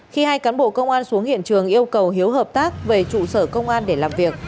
khi hai cán bộ công an xuống hiện trường yêu cầu hiếu hợp tác về trụ sở công an để làm việc